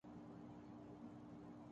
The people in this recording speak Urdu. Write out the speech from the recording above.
مخصوص بینچ والی بات تو پیچھے رہ گئی